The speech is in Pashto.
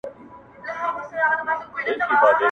نوم چي د ښکلا اخلي بس ته به یې.!